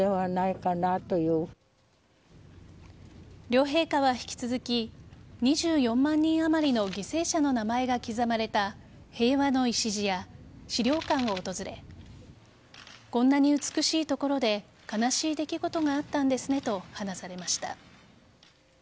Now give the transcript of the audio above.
両陛下は引き続き２４万人あまりの犠牲者の名前が刻まれた平和の礎や資料館を訪れこんなに美しいところで悲しい出来事があったんですねと話されました。